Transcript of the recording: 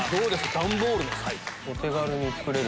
段ボールの財布。